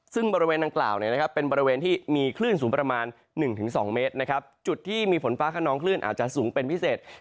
ซึ่งบริเวณดังกล่าวเป็นบริเวณที่มีคลื่นสูงประมาณ๑๒เมตรนะครับจุดที่มีฝนฟ้าขนองคลื่นอาจจะสูงเป็นพิเศษ